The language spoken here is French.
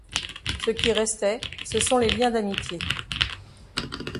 Ce qui restait ce sont les liens d'amitié.